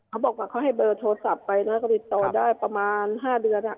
เขาบอกว่าเขาให้เบอร์โทรศัพท์ไปนะก็ติดต่อได้ประมาณ๕เดือน